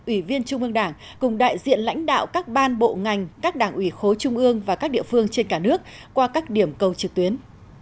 ủy viên trung ương đảng cùng đại diện lãnh đạo các ban bộ ngành các đảng ủy khối trung ương và các địa phương trên cả nước qua các điểm cầu trực tuyến